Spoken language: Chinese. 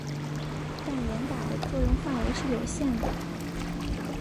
但严打的作用范围是有限的。